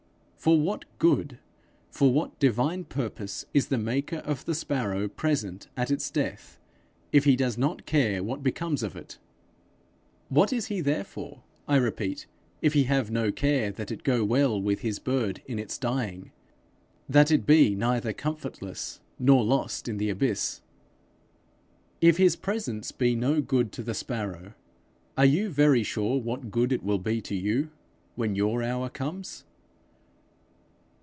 For what good, for what divine purpose is the maker of the sparrow present at its death, if he does not care what becomes of it? What is he there for, I repeat, if he have no care that it go well with his bird in its dying, that it be neither comfortless nor lost in the abyss? If his presence be no good to the sparrow, are you very sure what good it will be to you when your hour comes?